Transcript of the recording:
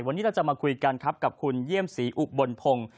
วันนี้เราจะมาคุยกันครับกับคุณเยี่ยมศรีอุบลพงศ์